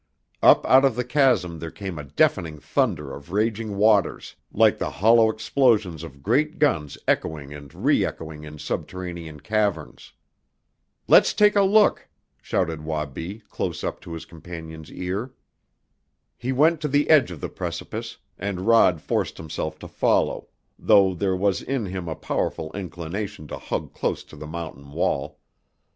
Up out of the chasm there came a deafening thunder of raging waters, like the hollow explosions of great guns echoing and reëchoing in subterranean caverns. "Let's take a look!" shouted Wabi close up to his companion's ear. He went to the edge of the precipice, and Rod forced himself to follow, though there was in him a powerful inclination to hug close to the mountain wall.